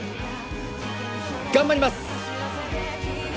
頑張ります